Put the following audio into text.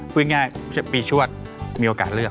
พูดง่ายปีชวดมีโอกาสเลือก